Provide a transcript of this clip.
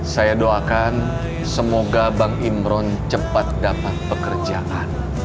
saya doakan semoga bang imron cepat dapat pekerjaan